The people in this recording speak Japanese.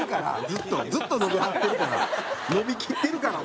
ずっと伸びはってるから。